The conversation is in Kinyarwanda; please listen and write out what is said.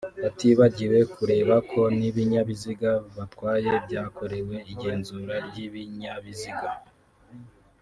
batibagiwe kureba ko n’ibinyabiziga batwaye byakorewe igenzura ry’ibinyabiziga